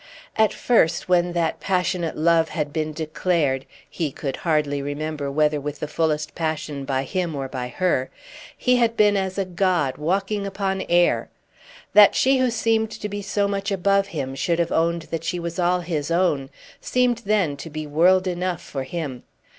At first when that passionate love had been declared, he could hardly remember whether with the fullest passion by him or by her, he had been as a god walking upon air. That she who seemed to be so much above him should have owned that she was all his own seemed then to be world enough for him.